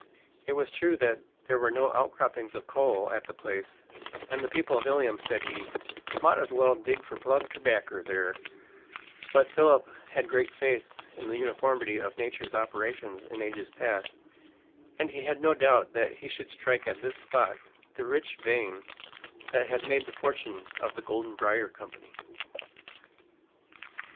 It was true that there were no outcroppings of coal at the place, and the people at Ilium said he "mought as well dig for plug terbaccer there;" but Philip had great faith in the uniformity of nature's operations in ages past, and he had no doubt that he should strike at this spot the rich vein that had made the fortune of the Golden Briar Company.